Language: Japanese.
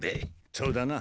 そうだな。